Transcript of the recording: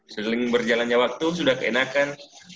sering berjalannya waktu sudah keenakan